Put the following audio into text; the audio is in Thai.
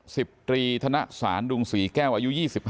สิบตรีธนสารดุงศรีแก้วอายุ๒๕